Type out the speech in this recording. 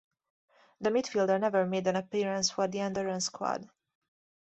The midfielder never made an appearance for the Andorran squad.